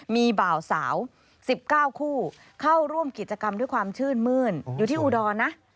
มีบ่าวสาว๑๙คู่เข้าร่วมกิจกรรมด้วยความชื่นมื้นอยู่ที่อุดรนะ